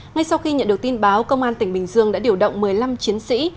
ngay sau khi nhận được tin báo công an tỉnh bình dương đã điều động một mươi năm chiến sĩ